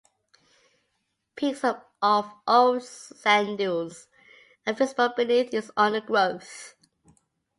Peaks of old sand dunes are visible beneath its undergrowth.